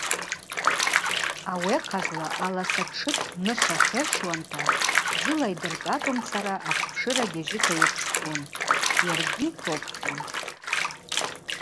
Ауи ахъазла аласа тшыт нышв ахьырщуанта дзыла йдыртӏатӏумцара аквпшыра гьажьыта йырчпун, йаргьи топхун.